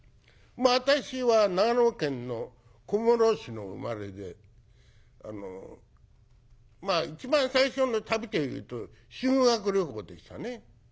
私は長野県の小諸市の生まれでまあ一番最初の旅というと修学旅行でしたね。